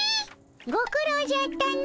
ご苦労じゃったの。